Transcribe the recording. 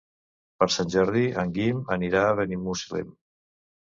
Per Sant Jordi en Guim anirà a Benimuslem.